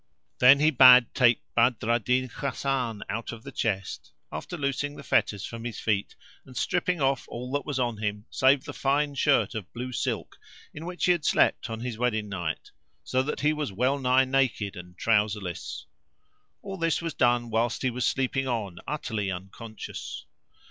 Then he bade take Badr al Din Hasan out of the chest, after loosing the fetters from his feet and stripping off all that was on him save the fine shirt of blue silk in which he had slept on his wedding night; so that he was well nigh naked and trouserless. All this was done whilst he was sleeping on utterly unconscious.